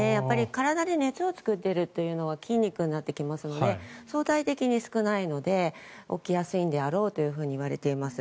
体で熱を作っているというのは筋肉になってきますので相対的に少ないので起きやすいんであろうといわれています。